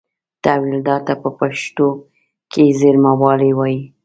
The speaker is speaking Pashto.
تحویلدار ته په پښتو کې زېرمهوال وایي.